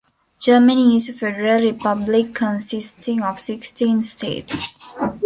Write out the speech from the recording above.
Germany is a federal republic consisting of sixteen states.